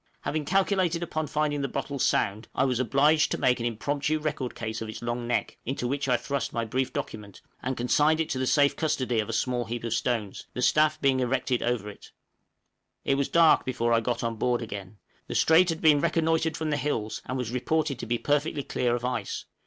Having calculated upon finding the bottle sound, I was obliged to make an impromptu record case of its long neck, into which I thrust my brief document, and consigned it to the safe custody of a small heap of stones, the staff being erected over it. {MT. WALKER.} It was dark before I got on board again. The strait had been reconnoitred from the hills, and was reported to be perfectly clear of ice!